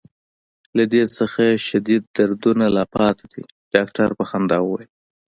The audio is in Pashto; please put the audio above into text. له دې څخه شدید دردونه لا پاتې دي. ډاکټر په خندا وویل.